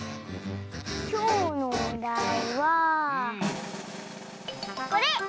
きょうのおだいはこれ！